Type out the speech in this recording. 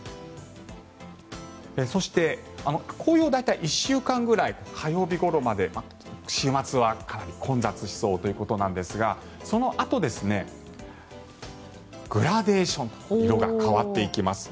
そして、紅葉は大体１週間ぐらい火曜日ごろまで週末は、かなり混雑しそうということなんですがそのあと、グラデーション色が変わっていきます。